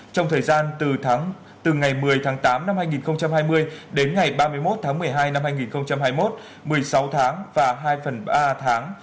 trong thời gian từ ngày một mươi tháng tám năm hai nghìn hai mươi đến ngày ba mươi một tháng một mươi hai năm hai nghìn hai mươi một một mươi sáu tháng và hai phần ba tháng